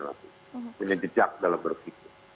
punya jejak dalam berpikir